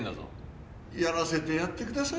やらせてやってください。